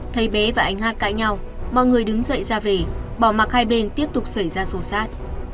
thấy bé và anh hát cãi nhau mọi người đứng dậy ra về bỏ mặt hai bên tiếp tục xảy ra xô xát